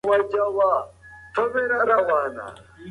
موږ له تېر وخت څخه زده کړه کوو.